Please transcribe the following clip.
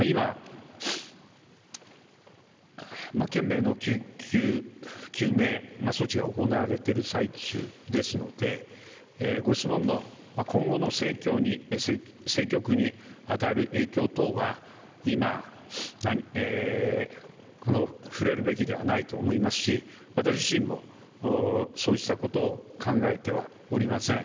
今、懸命の救急救命措置が行われている最中ですのでご質問の今後の政局に与える影響等は今、触れるべきではないと思いますし私自身もそうしたことを考えてはおりません。